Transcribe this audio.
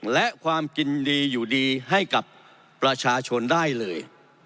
และความกินดีอยู่ดีให้กับประชาชนได้เลย